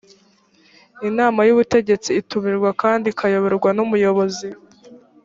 inama y ubutegetsi itumirwa kandi ikayoborwa n’umuyobozi